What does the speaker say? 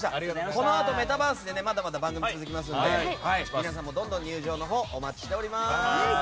このあとメタバースでまだまだ番組は続きますので皆さんもどんどん入場のほうをお待ちしております。